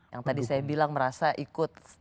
yang tadi saya bilang merasa ikut